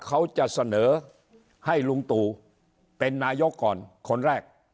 เขาจะเสนอให้ลุงตู่เป็นนายกก่อนคนแรก